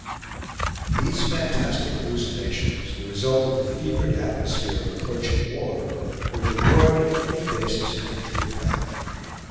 These fantastic hallucinations, the result of the fevered atmosphere of approaching war, were devoid of any basis in actual fact.